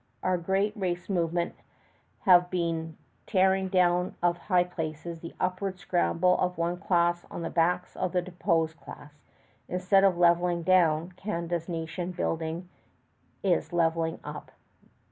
Other great race movements have been a tearing down of high places, the upward scramble of one class on the {xiv} backs of the deposed class. Instead of leveling down, Canada's nation building is leveling up.